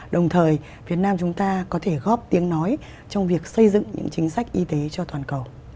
đồng thời việt nam chúng ta có thể góp tiếng nói trong việc xây dựng những chính sách y tế cho toàn cầu